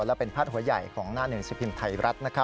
และเป็นพาดหัวใหญ่ของหน้าหนึ่งสิบพิมพ์ไทยรัฐ